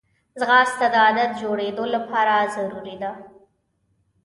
ځغاسته د عادت جوړېدو لپاره ضروري ده